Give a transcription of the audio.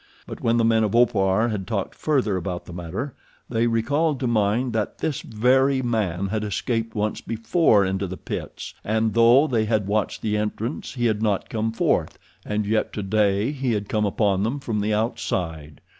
But when the men of Opar had talked further about the matter, they recalled to mind that this very man had escaped once before into the pits, and, though they had watched the entrance he had not come forth; and yet today he had come upon them from the outside.